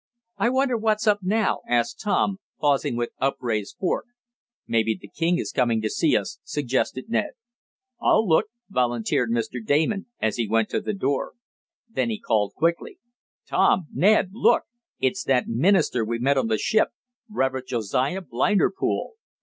"I wonder what's up now?" asked Tom, pausing with upraised fork. "Maybe the king is coming to see us," suggested Ned. "I'll look," volunteered Mr. Damon, as he went to the door. Then he called quickly: "Tom! Ned! Look! It's that minister we met on the ship Reverend Josiah Blinderpool!